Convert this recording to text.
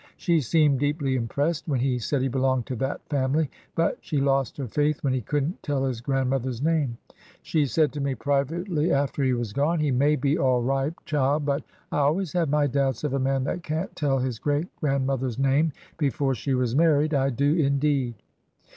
She seemed deeply impressed when he said he belonged to that family, but she lost her faith when he could n't tell his grandmother's name. She said to me, privately, after he was gone, ^ He may be all right, child, but I always have my doubts of a man that can't tell his great grandmother's name before she was married. I do, indeed